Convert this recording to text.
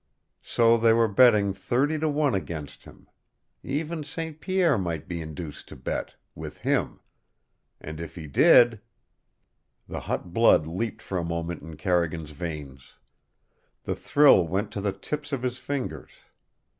So they were betting thirty to one against him! Even St. Pierre might be induced to bet with HIM. And if he did The hot blood leaped for a moment in Carrigan's veins. The thrill went to the tips of his fingers.